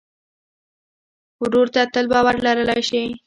ورور ته تل باور لرلی شې.